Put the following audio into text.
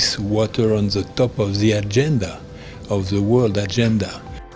kita harus meletakkan air di atas agenda dunia